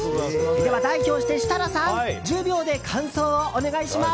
では、代表して設楽さん１０秒で感想をお願いします。